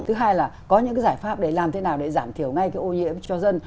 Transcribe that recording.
thứ hai là có những cái giải pháp để làm thế nào để giảm thiểu ngay cái ô nhiễm cho dân